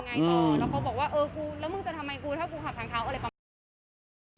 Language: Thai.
แล้วก็บอกว่าแล้วมึงจะทำไมกูถ้ากูขับทางเท้าอะไรก็